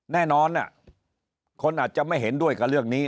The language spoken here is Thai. แน่นอนคนอาจจะไม่เห็นด้วยกับเรื่องนี้